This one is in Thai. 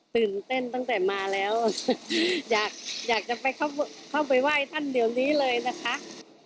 ตื่นเต้นตั้งแต่มาแล้วอยากจะไปเข้าไปไหว้ท่านเดี๋ยวนี้เลยนะคะ